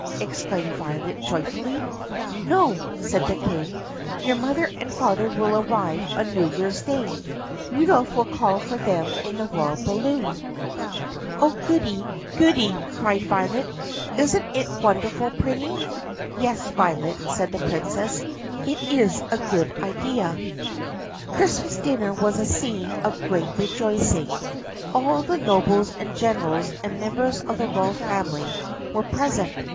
exclaimed Violet joyfully. "No," said the King. "Your mother and father will arrive on New Year's Day. Rudolph will call for them in the royal balloon." 156 THE PUSSYCAT PRINCESS "Oh, goody! goody!" cried Violet. "Isn't it wonderful, Prinny!" "Yes, Violet," said the Princess, "It is a good idea." Christmas dinner was a scene of great rejoicing. All the nobles and generals and members of the royal family were pres ent.